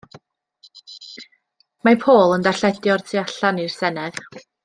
Mae Paul yn darlledu o'r tu allan i'r Senedd.